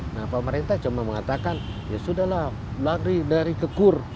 nah pemerintah cuma mengatakan ya sudah lah lari dari kekur